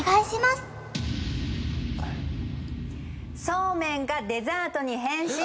そうめんがデザートに変身！